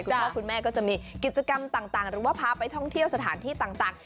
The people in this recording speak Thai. คุณพ่อคุณแม่ก็จะมีกิจกรรมต่างหรือว่าพาไปท่องเที่ยวสถานที่ต่าง